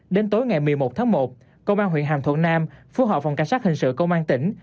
đến tối ngày một mươi một tháng một công an huyện hàm thuận nam phối hợp phòng cảnh sát hình sự công an tỉnh